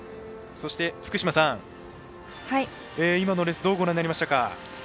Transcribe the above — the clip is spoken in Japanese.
福島さん、今のレースどうご覧になりましたか？